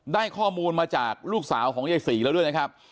ได้ข้อมูลมาจากลูกสาวของยายศรีแล้วด้วยนะครับ